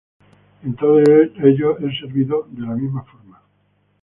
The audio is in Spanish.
En todos ellos es servido de la misma forma.